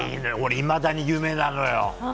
いまだに夢なのよ。